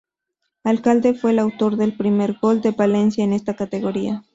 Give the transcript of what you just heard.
Alcalde fue el autor del primer gol del Palencia en esta categoría.